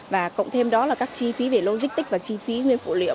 và cộng thêm đó là các chi phí về logistic và chi phí nguyên vật liệu